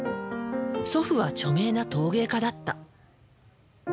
祖父は著名な陶芸家だった。